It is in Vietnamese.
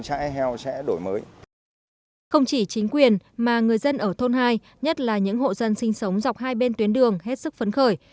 không chỉ chính quyền mà người dân ở thôn hai nhất là những hộ dân sinh sống dọc hai bên tuyến đường hết sức phấn khởi